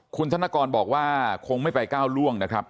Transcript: คุณธนกรบอกว่าคงไม่ไปก้าวล่วงนะครับ